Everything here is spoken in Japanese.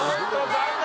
残念。